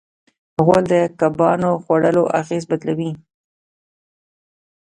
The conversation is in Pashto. غول د کبان خوړلو اغېز بدلوي.